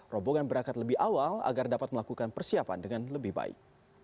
rombongan berangkat lebih awal agar dapat melakukan persiapan dengan lebih baik